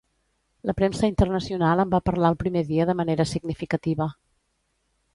La premsa internacional en va parlar el primer dia de manera significativa.